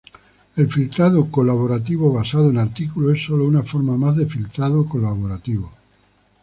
El filtrado colaborativo basado en artículos es solo una forma más de filtrado colaborativo.